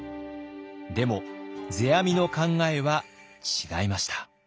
でも世阿弥の考えは違いました。